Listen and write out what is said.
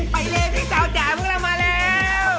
ไปเล่นที่เจ้าจ่ายพวกเรามาแล้ว